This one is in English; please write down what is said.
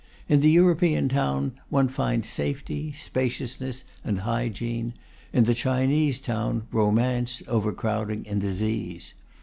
In the European town one finds safety, spaciousness and hygiene; in the Chinese town, romance, overcrowding and disease.